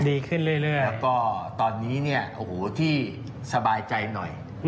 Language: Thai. ดีขึ้นเรื่อยแล้วก็ตอนนี้ที่สบายใจหน่อย